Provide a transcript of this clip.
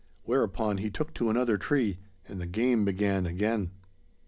Whereupon he took to another tree and the game began again.